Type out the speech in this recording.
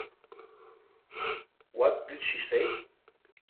What did she say?